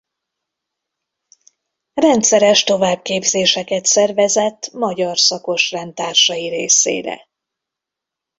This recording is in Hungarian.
Rendszeres továbbképzéseket szervezett magyar szakos rendtársai részére.